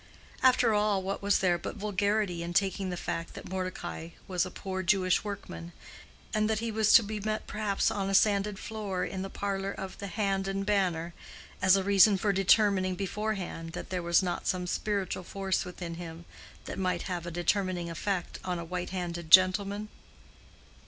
After all, what was there but vulgarity in taking the fact that Mordecai was a poor Jewish workman, and that he was to be met perhaps on a sanded floor in the parlor of the Hand and Banner as a reason for determining beforehand that there was not some spiritual force within him that might have a determining effect on a white handed gentleman?